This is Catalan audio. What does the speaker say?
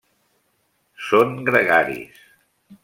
Són gregaris.